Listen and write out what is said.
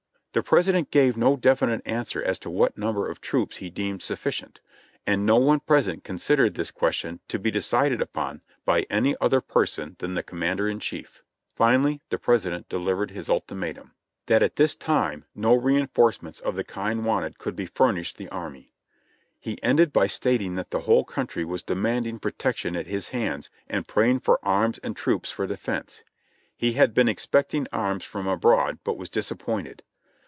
The President gave no definite answer as to what number of troops he deemed sufficient, and no one present considered this question to be decided upon by any other person than the Com mander in Chief. Finally the President dehvered his ultimatum : That at tJiis time no reinforcements of the kind wanted could he furnished the army. He ended by stating that the whole country was demanding protection at his hands, and praying for arms and troops for defense. He had been expecting arms from abroad, but was disappointed.